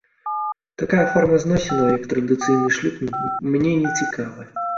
Такая форма зносінаў, як традыцыйны шлюб, мне не цікавая.